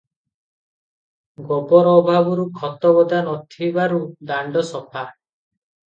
ଗୋବର ଅଭାବରୁ ଖତଗଦା ନଥିବାରୁ ଦାଣ୍ତ ସଫା ।